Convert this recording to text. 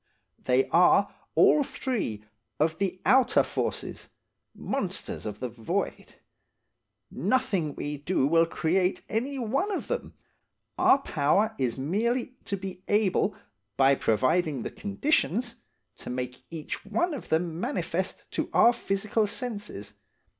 They are, all three, of the outer forces–monsters of the void. Nothing we can do will create any one of them, our power is merely to be able, by providing the conditions, to make each one of them manifest to our physical senses.